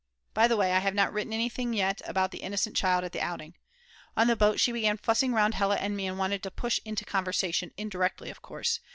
By the way, I have not written anything yet about the "innocent child" at the outing. On the boat she began fussing round Hella and me and wanted to push into the conversation, indirectly of course!